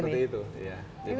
ada seperti itu